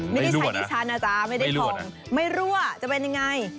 ไม่ได้ใช้ดิฉันนะจ๊ะไม่ได้ทองไม่รั่วจะเป็นยังไง